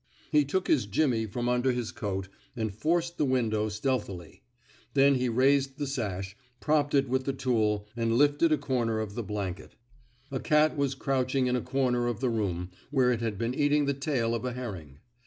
He took his jimmy from under his coat, and forced the window stealthily. Then he raised the sash, propped it with the tool, and lifted a comer of the blanket. 74 ON COECUMSTANTIAL EVIDENCE A cat was crouching in a comer of the room, where it had been eating the tail of a herring.